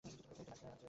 তিনি একজন নারী ছিলেন।